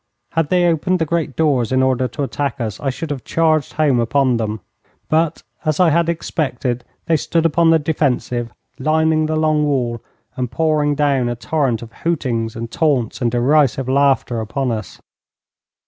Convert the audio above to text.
Had they opened the great doors in order to attack us, I should have charged home upon them; but, as I had expected, they stood upon the defensive, lining the long wall and pouring down a torrent of hootings and taunts and derisive laughter upon us.